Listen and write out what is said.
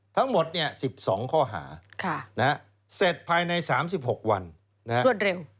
ทั้งหมด๑๒ข้อหาเสร็จภายใน๓๖วันรวดเร็ว